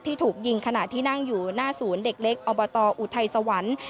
ถูกยิงขณะที่นั่งอยู่หน้าศูนย์เด็กเล็กอบตออุทัยสวรรค์